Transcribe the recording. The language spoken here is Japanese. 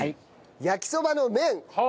焼きそばの麺。